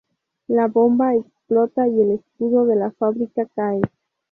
La bomba explota y el escudo de la fábrica cae.